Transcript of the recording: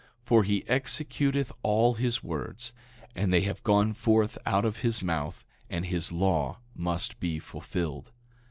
For he executeth all his words, and they have gone forth out of his mouth, and his law must be fulfilled.